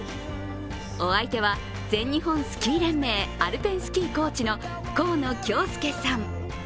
お相手は全日本スキー連盟アルペンスキーコーチの河野恭介さん。